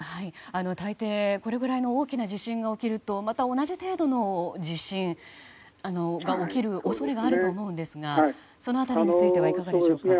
大抵、これぐらいの大きな地震が起きるとまた、同じ程度の地震が起きる恐れがあると思いますがその辺りについてはいかがでしょうか？